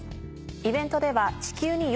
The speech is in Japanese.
イベントでは。